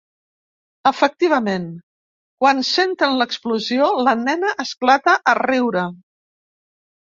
Efectivament, quan senten l’explosió la nena esclata a riure.